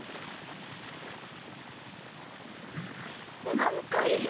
なんかいる！